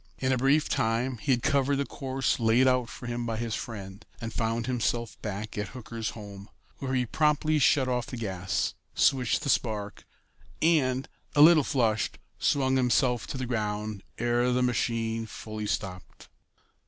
In a brief time he had covered the course laid out for him by his friend, and found himself back at Hooker's home, where he promptly shut off the gas, switched the spark, and, a little flushed, swung himself to the ground ere the machine fully stopped.